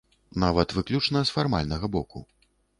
Нават выключна з фармальнага боку.